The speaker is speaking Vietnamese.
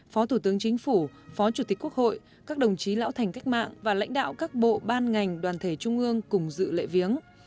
phó thủ tướng chính phủ phó chủ tịch quốc hội các đồng chí lão thành cách mạng và lãnh đạo các bộ ban ngành đoàn thể trung ương cùng dự lễ viếng